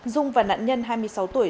dung và nạn nhân hai mươi sáu tuổi